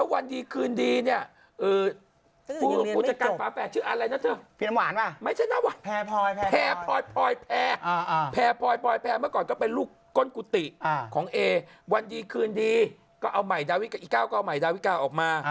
วันดีคืนดีปุจจักรฝาแปรที่ชื่ออะไรนะเถอะ